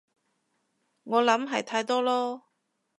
我諗係太多囉